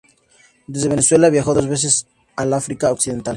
Desde Venezuela viajó dos veces al África occidental.